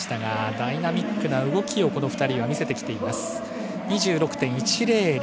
ダイナミックな動きをこの２人は見せてきています。２６．１００。